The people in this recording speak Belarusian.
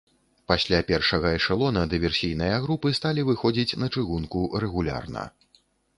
Пасля першага эшалона дыверсійныя групы сталі выходзіць на чыгунку рэгулярна.